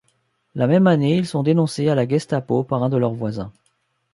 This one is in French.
La même année, ils sont dénoncés à la Gestapo par un de leurs voisins.